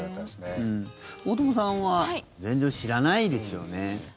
大友さんは全然知らないですよね？